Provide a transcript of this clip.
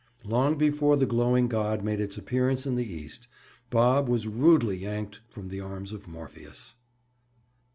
Long before the glowing god made its appearance in the east, Bob was rudely yanked from the arms of Morpheus.